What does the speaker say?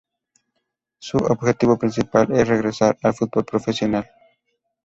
Su objetivo principal es regresar al fútbol profesional.